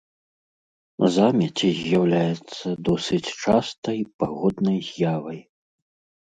Замець з'яўляецца досыць частай пагоднай з'явай.